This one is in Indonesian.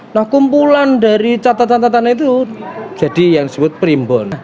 jadi kumpulan dari catatan catatan itu jadi yang disebut perimbun